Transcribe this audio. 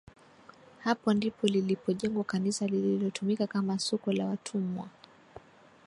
Hapo ndipo lilipojengwa kanisa lililotumika kama soko la watumwa